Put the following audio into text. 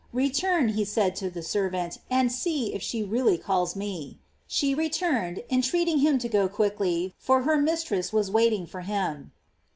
Return, he said to the servant, and see if she really calls me. She re turned, entreating him to go quickly, for her mistress was waiting for him.